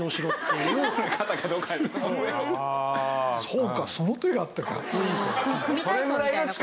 そうかその手があったか。